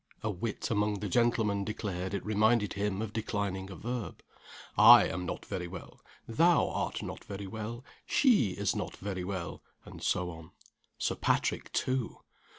A wit among the gentlemen declared it reminded him of declining a verb. "I am not very well; thou art not very well; she is not very well" and so on. Sir Patrick too!